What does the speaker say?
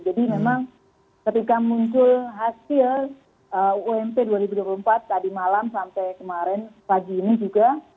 jadi memang ketika muncul hasil wmp dua ribu dua puluh empat tadi malam sampai kemarin pagi ini juga